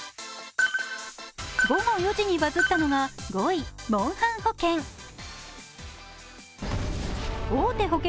午後４時にバズったのが５位、モンハン保険。